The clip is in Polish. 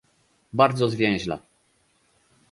Bardzo zwięźle